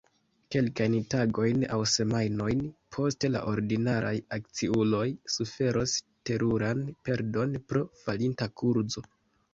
Kelkajn tagojn aŭ semajnojn poste la ordinaraj akciuloj suferos teruran perdon pro falinta kurzo.